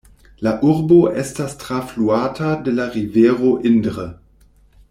La urbo estas trafluata de la rivero Indre.